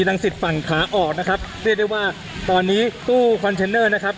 กรังศีรษฐฝั่งขาออกนะครับเรียกได้ว่าตอนนี้ตู้นะครับ